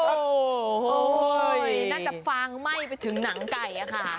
โอ้โหน่าจะฟางไหม้ไปถึงหนังไก่อะค่ะ